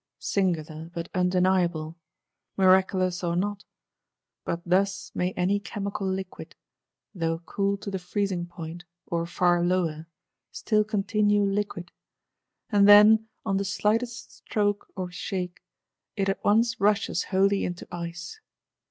Singular, but undeniable,—miraculous or not!—But thus may any chemical liquid; though cooled to the freezing point, or far lower, still continue liquid; and then, on the slightest stroke or shake, it at once rushes wholly into ice.